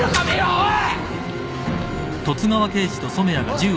おい。